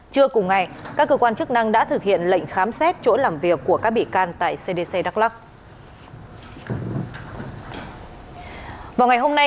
trưa cùng ngày các cơ quan chức năng đã thực hiện lệnh khám xét chỗ làm việc của các bị can tại cdc đắk lắc